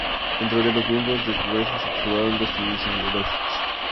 Dentro de los miembros del Congreso, se observaron dos tendencias ideológicas.